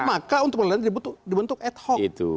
maka untuk pemerintah dibentuk ad hoc